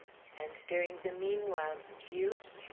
And during the meanwhilst, you?